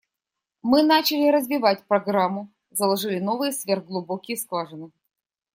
Мы начали развивать программу, заложили новые сверхглубокие скважины.